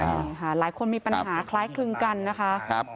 หลายคนมีปัญหาคล้ายคลึงกันนะคะ